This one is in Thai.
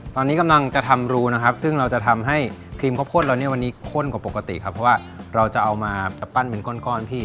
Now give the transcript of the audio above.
ตอนนี้กำลังจะทำรูนะครับซึ่งเราจะทำให้ครีมข้าวโพดเราเนี่ยวันนี้ข้นกว่าปกติครับเพราะว่าเราจะเอามาปั้นเป็นก้อนพี่